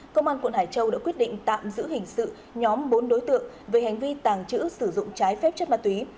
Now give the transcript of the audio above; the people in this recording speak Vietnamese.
công an quận hải châu đã quyết định tạm giữ hình sự nhóm bốn đối tượng về hành vi tàng trữ sử dụng trái phép chất ma túy